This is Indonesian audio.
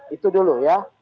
itu dulu ya